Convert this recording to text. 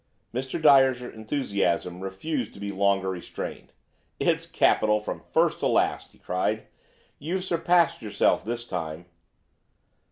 Mr. Dyer's enthusiasm refused to be longer restrained. "It's capital, from first to last," he cried; "you've surpassed yourself this time!"